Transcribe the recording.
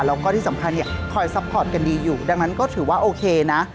แล้วก็ที่สำคัญเนี่ยคอยซัพพอร์ตกันดีอยู่ดังนั้นก็ถือว่าโอเคนะ